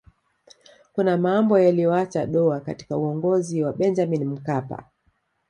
kuna mambo yaliyoacha doa katika uongozi wa benjamini mkapa